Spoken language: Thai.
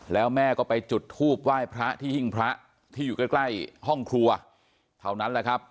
แล้วแม่ก็ไปจุดทูบไหว้พระที่หิ้งพระที่อยู่ใกล้ห้องครัวเท่านั้นแหละครับ